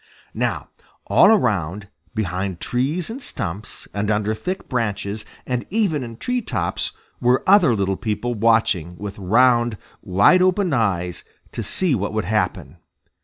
Now all around, behind trees and stumps, and under thick branches, and even in tree tops, were other little people watching with round, wide open eyes to see what would happen.